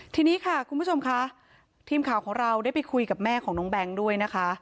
ทีนี้ค่ะคุณผู้ชมค่ะทีมข่าวของเราได้ไปคุยกับแม่ของน้องแบงค์ด้วยนะคะ